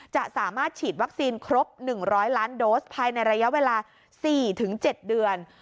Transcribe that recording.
สามารถฉีดวัคซีนครบ๑๐๐ล้านโดสภายในระยะเวลา๔๗เดือน